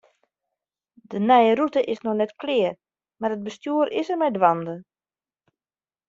De nije rûte is noch net klear, mar it bestjoer is der mei dwaande.